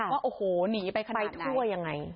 ว่าโอ้โหหนีไปขนาดไหน